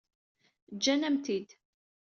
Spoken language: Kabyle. Ǧǧan-am-t-id.